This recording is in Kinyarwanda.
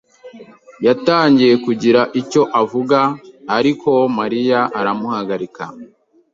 yatangiye kugira icyo avuga, ariko Mariya aramuhagarika.